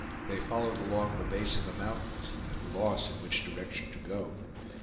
They followed along the base of the mountains, at a loss in which direction to go.